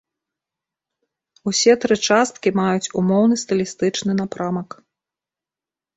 Усе тры часткі маюць умоўны стылістычны напрамак.